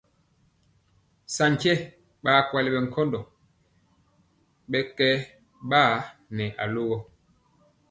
Senje ɓakpɛl kolo ɓɛ nkɔndɔ ɓɛ kenɛ ɓaa kɛ alogɔ.